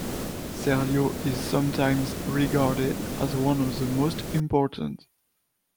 Serlio is sometimes regarded as one of the most important.